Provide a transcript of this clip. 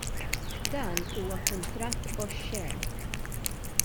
Dan huwa kuntratt oxxen!